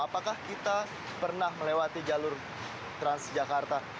apakah kita pernah melewati jalur trans jakarta